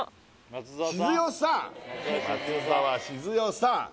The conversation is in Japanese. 松澤静代さん